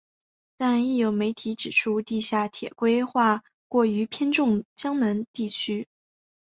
但亦有媒体指出地下铁规划过于偏重江南地区。